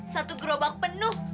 satu gerobak penuh